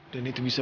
dan itu bisa